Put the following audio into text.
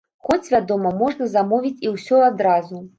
Хоць, вядома, можна замовіць і ўсё адразу.